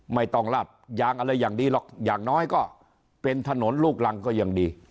ไม่ต้องลาดยางอะไรอย่างดีหรอกอย่างน้อยก็เป็นถนนลูกรังก็ยังดี